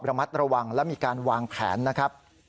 ระมัดระวังและมีการวางแผนนะครับ